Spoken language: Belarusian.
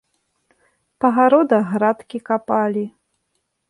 Па гародах градкі капалі.